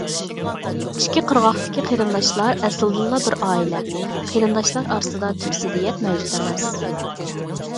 ئىككى قىرغاقتىكى قېرىنداشلار ئەسلىدىنلا بىر ئائىلە، قېرىنداشلار ئارىسىدا تۈپ زىددىيەت مەۋجۇت ئەمەس.